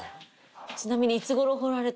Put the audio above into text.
ちなみに。